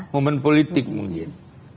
moment politik mungkin